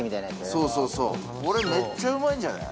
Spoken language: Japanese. そうそうそうこれめっちゃうまいんじゃない？